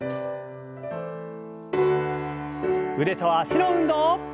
腕と脚の運動。